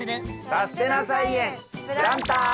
「さすてな菜園プランター」！